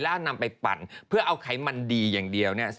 แล้วนำไปปั่นเพื่อเอาไขมันดีอย่างเดียวเนี่ย